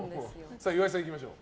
岩井さん、いきましょう。